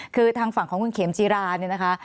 คือทางฝั่งของคุณเข็มจีราเนี่ยนะคะ